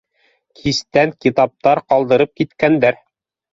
— Кистән китаптар ҡалдырып киткәндәр